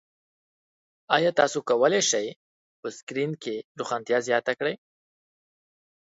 ایا تاسو کولی شئ په سکرین کې روښانتیا زیاته کړئ؟